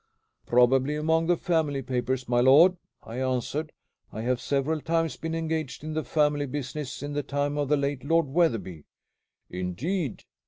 "Probably among the family papers, my lord," I answered. "I have several times been engaged in the family business in the time of the late Lord Wetherby." "Indeed."